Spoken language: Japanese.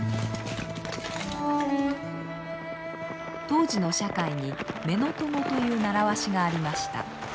当時の社会に乳母子という習わしがありました。